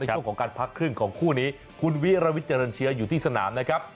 ช่วงของการพักครึ่งของคู่นี้คุณวิรวิทเจริญเชื้ออยู่ที่สนามนะครับ